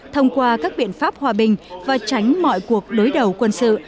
thông qua các biện pháp hòa bình và tránh mọi cuộc đối đầu quân sự